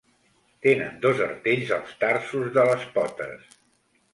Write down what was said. Tenen dos artells als tarsos de les potes.